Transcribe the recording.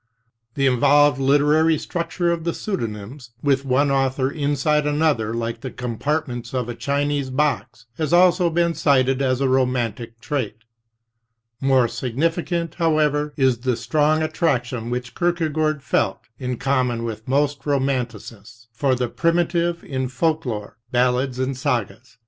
The involved literary structure of the pseudonyms, with one author inside another like the compartments of a Chinese box, has also been cited as a romantic trait. More significant, however, is the strong attraction which Kierke gaard felt, in common with most romanticists, for the primitive in folk lore, ballads and sagas.